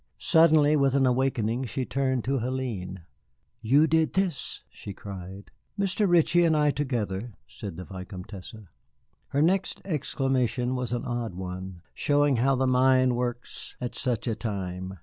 Suddenly, with an awakening, she turned to Hélène. "You did this!" she cried. "Mr. Ritchie and I together," said the Vicomtesse. Her next exclamation was an odd one, showing how the mind works at such a time.